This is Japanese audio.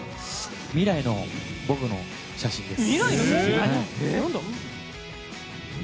未来の僕の写真です。